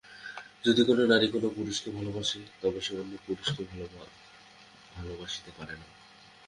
যদি কোন নারী কোন পুরুষকে ভালবাসে, তবে সে অন্য-পুরুষকে ভালবাসিতে পারে না।